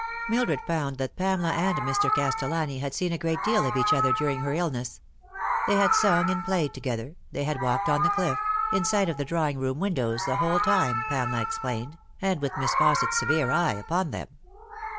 Mildred found that Pamela and Mr. Castellani had seen a great deal of each other during her illness. They had sung and played together, they had walked on the cliff in sight of the drawing room windows the whole time, Pamela explained, and with Miss Fausset's severe eye upon them.